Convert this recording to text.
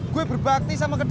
gue berbakti sama kakaknya